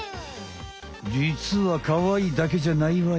じつはかわいいだけじゃないわよ。